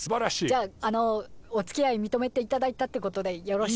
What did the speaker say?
じゃああのおつきあい認めていただいたってことでよろしいで。